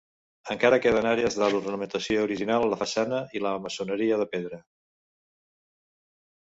Encara queden àrees de l'ornamentació original a la façana i la maçoneria de pedra.